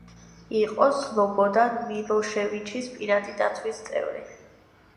იყო სლობოდან მილოშევიჩის პირადი დაცვის წევრი.